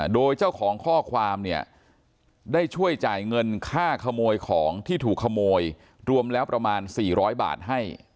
โดยเจ้าของข้อความเนี่ยได้ช่วยจ่ายเงินค่าขโมยของที่ถูกขโมยรวมแล้วประมาณ๔๐๐บาทให้